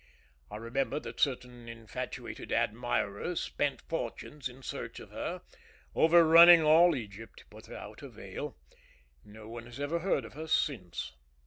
I remember that certain infatuated admirers spent fortunes in search of her, overrunning all Egypt, but without avail. No one has ever heard of her since."